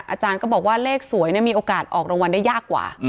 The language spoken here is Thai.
อาจารย์ก็บอกว่าเลขสวยมีโอกาสออกรางวัลได้ยากกว่า